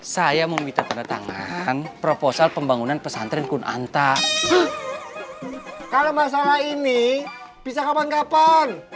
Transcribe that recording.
saya meminta tanda tangan proposal pembangunan pesantren kunanta kalau masalah ini bisa kapan kapan